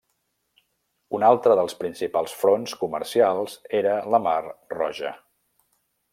Un altre dels principals fronts comercials era la mar Roja.